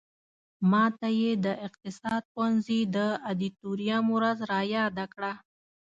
ماته یې د اقتصاد پوهنځي د ادیتوریم ورځ را یاده کړه.